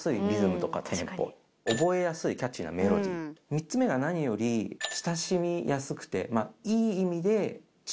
３つ目が何より親しみやすくていい意味で。